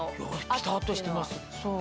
ピタっとしてます。